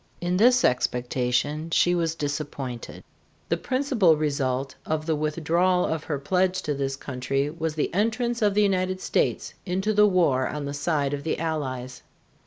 In this expectation she was disappointed. The principal result of the withdrawal of her pledge to this country was the entrance of the United States into the war on the side of the Allies.